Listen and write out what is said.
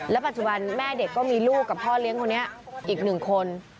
ปัจจุบันแม่เด็กก็มีลูกกับพ่อเลี้ยงคนนี้อีกหนึ่งคน